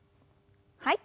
はい。